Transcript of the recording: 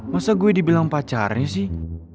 masa gue dibilang pacarnya sih